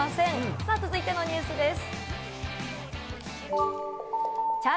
さあ、続いてのニュースです。